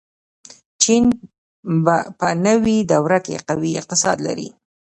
چین په نوې دور کې قوي اقتصاد لري.